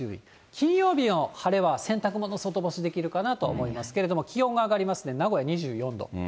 金曜日の晴れは洗濯物、外干しできるかなと思いますけれども、気温が上がりますね、名古屋２４度。